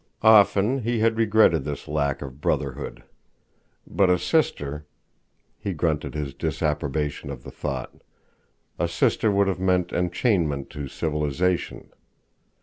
Often he had regretted this lack of brotherhood. But a sister.... He grunted his disapprobation of the thought. A sister would have meant enchainment to civilization.